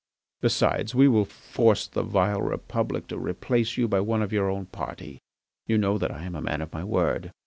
Besides, we will force the vile Republic to replace you by one of our own party. You know that I am a man of my word.